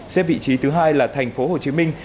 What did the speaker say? xếp vị trí thứ hai là thành phố hồ chí minh